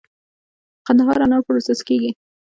د قندهار انار پروسس کیږي؟